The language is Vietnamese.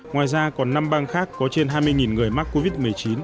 ngoài ra còn năm bang khác có trên hai mươi người mắc covid một mươi chín